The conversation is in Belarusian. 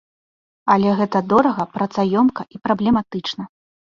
Але гэта дорага, працаёмка і праблематычна.